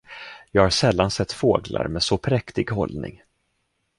Jag har sällan sett fåglar med så präktig hållning.